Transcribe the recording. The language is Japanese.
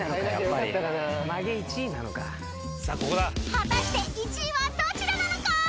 ［果たして１位はどちらなのか！？］